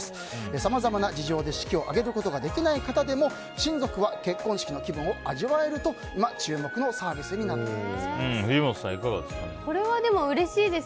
さまざまな事情で式を挙げることができなくても親族は結婚式の気分を味わえると今、注目のサービスだそうです。